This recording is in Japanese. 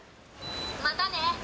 またねー。